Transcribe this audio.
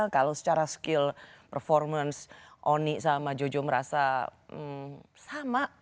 kalau secara skill performance oni sama jojo merasa sama